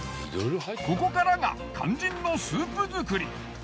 ここからが肝心のスープ作り。